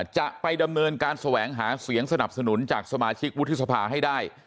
จะไปดำเนินการแสวงหาเสียงสนับสนุนจากสมาชิกวุฒิสภาให้ได้